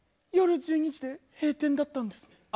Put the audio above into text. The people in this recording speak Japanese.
夜１２時で閉店だったんですね。